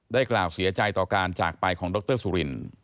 ได้กล่าวเสียใจต่อการจากไปของดรซูเรนฯ